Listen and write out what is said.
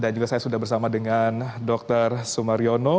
dan juga saya sudah bersama dengan dr sumariono